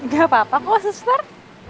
gak apa apa kok sister